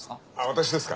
私ですか？